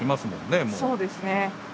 そうですね。